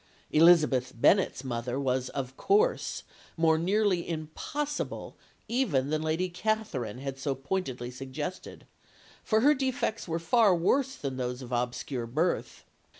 Elizabeth Bennet's mother was, of course, more nearly "impossible" even than Lady Catherine had so pointedly suggested, for her defects were far worse than those of obscure birth.